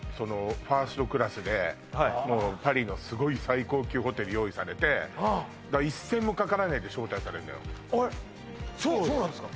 ファーストクラスでもうパリのすごい最高級ホテル用意されて１銭もかからないで招待されるのよそうなんですか？